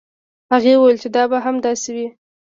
هغې وویل چې دا به هم داسې وي.